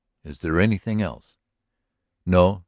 "Is there anything else?" "No.